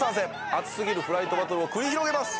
熱すぎるフライトバトルを繰り広げます！